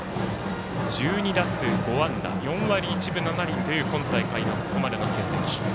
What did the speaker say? １２打数５安打４割１分７厘という今大会のここまでの成績。